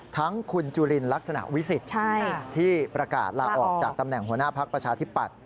ทั้งคุณจุลินลักษณะวิสิทธิ์ที่ประกาศลาออกจากตำแหน่งหัวหน้าพักประชาธิปัตย